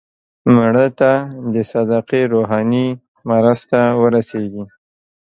مړه ته د صدقې روحاني مرسته ورسېږي